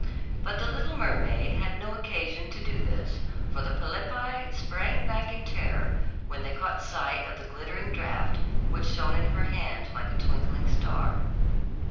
But the little mermaid had no occasion to do this, for the polypi sprang back in terror when they caught sight of the glittering draft, which shone in her hand like a twinkling star.